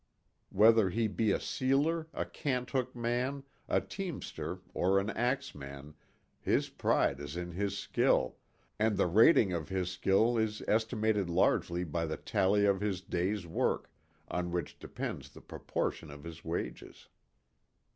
Whether he be a sealer, a cant hook man, a teamster, or an axeman, his pride is in his skill, and the rating of his skill is estimated largely by the tally of his day's work, on which depends the proportion of his wages.